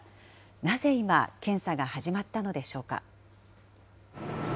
なぜ今、検査が始まったのでしょうか。